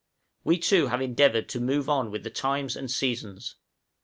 We too have endeavored to move on with the times and seasons.